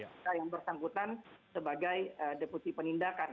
kita yang bersangkutan sebagai deputi penindakan